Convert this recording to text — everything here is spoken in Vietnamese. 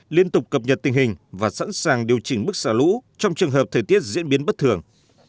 liên tục cập nhật tình hình và sẵn sàng điều chỉnh mức xả lũ trong trường hợp thời tiết diễn biến bất thường